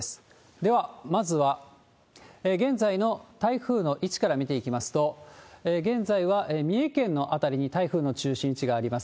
では、まずは現在の台風の位置から見ていきますと、現在は三重県の辺りに台風の中心地があります。